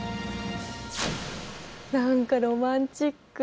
何かロマンチック。